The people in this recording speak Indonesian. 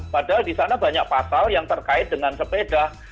padahal di sana banyak pasal yang terkait dengan sepeda